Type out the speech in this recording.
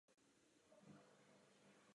Všechny medailové sady získali britští tenisté.